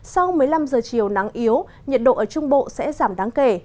sau một mươi năm giờ chiều nắng yếu nhiệt độ ở trung bộ sẽ giảm đáng kể